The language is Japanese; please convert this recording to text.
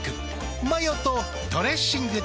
マヨとドレッシングで。